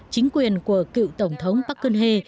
chính quyền của cựu tổng thống park geun hye